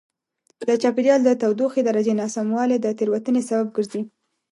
د چاپېریال د تودوخې درجې ناسموالی د تېروتنې سبب ګرځي.